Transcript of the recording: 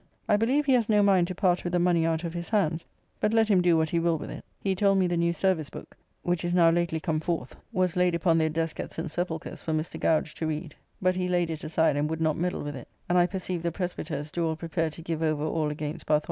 I believe he has no mind to part with the money out of his hands, but let him do what he will with it. He told me the new service book [The Common Prayer Book of 1662, now in use.] (which is now lately come forth) was laid upon their deske at St. Sepulchre's for Mr. Gouge to read; but he laid it aside, and would not meddle with it: and I perceive the Presbyters do all prepare to give over all against Bartholomew tide.